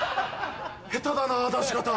下手だな出し方。